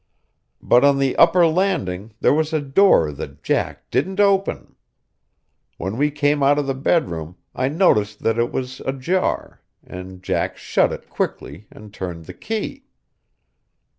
But on the upper landing there was a door that Jack didn't open. When we came out of the bedroom I noticed that it was ajar, and Jack shut it quickly and turned the key.